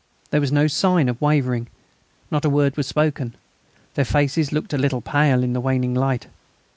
There was no sign of wavering; not a word was spoken; their faces looked a little pale in the waning light.